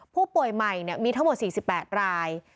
ผู้ป่วยใหม่มีทั้งหมด๔๘ราย